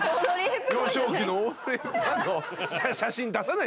幼少期のオードリー・ヘプバーンの写真出さない。